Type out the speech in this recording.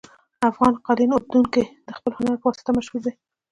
افغان قالین اوبدونکي د خپل هنر په واسطه مشهور دي